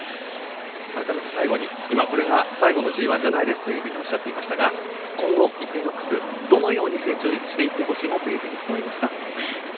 改めて最後に、これが最後のＧＩじゃないですとおっしゃっていましたが今後、イクイノックスどのように成長していってほしいなと思いますか？